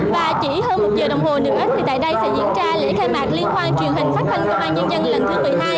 và chỉ hơn một giờ đồng hồ nữa thì tại đây sẽ diễn ra lễ khai mạc liên hoan truyền hình phát thanh công an nhân dân lần thứ một mươi hai